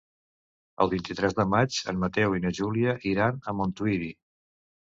El vint-i-tres de maig en Mateu i na Júlia iran a Montuïri.